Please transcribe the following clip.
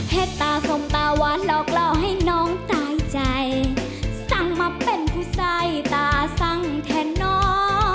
ตาสมตาหวานหลอกล่อให้น้องตายใจสั่งมาเป็นผู้ใส่ตาสั่งแทนน้อง